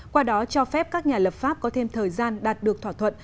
qua đó cho phép các nhà lập pháp có thêm thời gian đạt được thỏa thuận